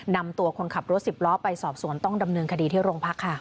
นำตัวคนขับรถสิบล้อไปสอบสวนต้องดำเนินคดีที่โรงพักค่ะ